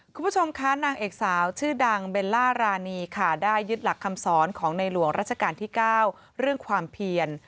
คุณผู้ชมคะนางเอกสาวชื่อดังเบลล่ารานีค่ะได้ยึดหลักคำสอนของในหลวงราชการที่๙เรื่องความเพียร